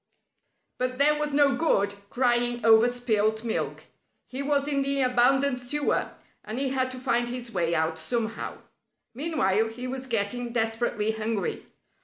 But there was no good crying over spilt milk. He was in the abandoned sewer, and he had to find his way out somehow. Meanwhile, he was getting desperately hungry.